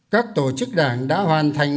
các tổ chức đảng đã hoàn thành